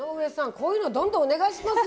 こういうのどんどんお願いしますよ